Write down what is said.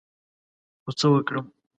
خو څه وکړم ؟